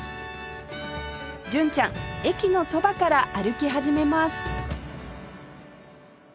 純ちゃん駅のそばから歩き始めます